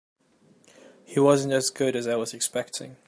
He wasn't as good as I was expecting.